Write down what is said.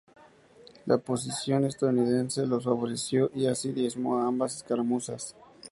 La posición estadounidense los favoreció y así diezmó ambas escaramuzas.